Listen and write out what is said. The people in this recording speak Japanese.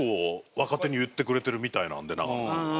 若手に言ってくれてるみたいなので永野君が。